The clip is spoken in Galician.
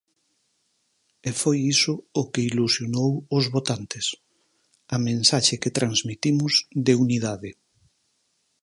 E foi iso o que ilusionou os votantes, a mensaxe que transmitimos de unidade.